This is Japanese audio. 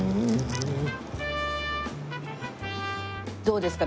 どうですか？